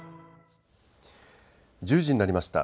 １０時になりました。